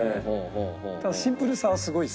ただシンプルさはすごい好きです。